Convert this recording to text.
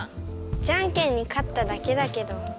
じゃんけんにかっただけだけど。